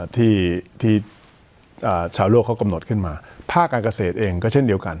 ที่ชาวโลกเขากำหนดขึ้นมาภาคการเกษตรเองก็เช่นเดียวกัน